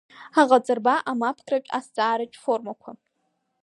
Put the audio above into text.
Аҟаҵарба амапкратә, азҵааратә формақәа…